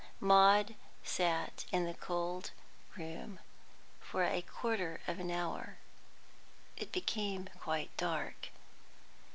Maud sat in the cold room for a quarter of an hour; it became quite dark.